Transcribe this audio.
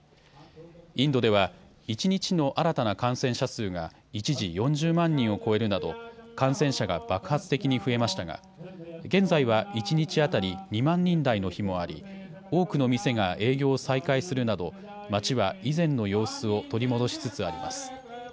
インドでは一日の新たな感染者数が一時４０万人を超えるなど感染者が爆発的に増えましたが現在は一日当たり２万人台の日もあり多くの店が営業を再開するなど街は以前の様子を取り戻しつつあります。